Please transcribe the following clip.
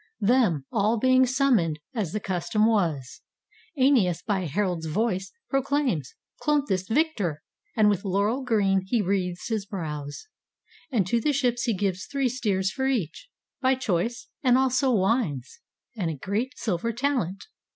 Them, all being summoned, as the custom was, ^neas by a herald's voice proclaims Cloanthus victor, and with laurel green He wreathes his brows. And to the ships he gives Three steers for each, by choice, and also wines. And a great silver talent.